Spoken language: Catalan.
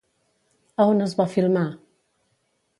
A on es va filmar?